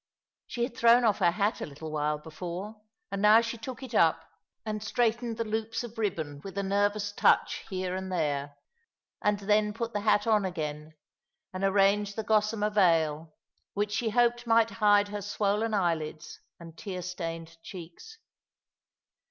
She had thrown off her hat a little while before, and now she took it up, and straightened the loops of ribbon with a nervous touch liere and there, and then put the hat on agaiTi, ^* In the Shadow of the Tombr 265 and arranged the gossamer veil, which she hoped might hide her swollen eyelids and tear stained cheeks.